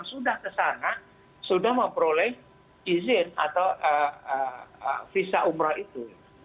sudah kesana sudah memperoleh izin atau visa umroh itu